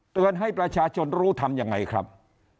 ให้ประชาชนรู้ทำยังไงครับ